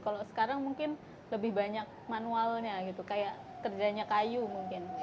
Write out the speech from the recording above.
kalau sekarang mungkin lebih banyak manualnya gitu kayak kerjanya kayu mungkin